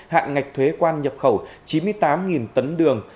hạn ngạch thuế quan nhập khẩu chín mươi tám tấn đường